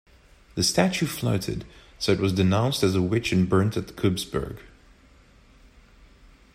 The statue floated, so it was denounced as a witch and burnt at Kubsberg.